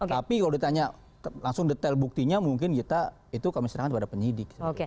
tapi kalau ditanya langsung detail buktinya mungkin kita itu kami serahkan kepada penyidik